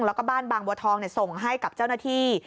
แล้วก็บ้านบางบัวทองส่งให้กับเจ้าหน้าที่